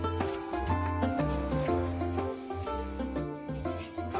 失礼します。